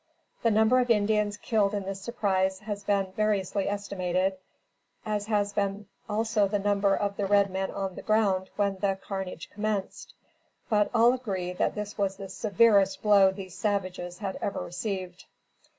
The number of Indians killed in this surprise has been variously estimated, as has been also the number of the red men on the ground when the carnage commenced; but all agree that this was the severest blow these savages had ever received.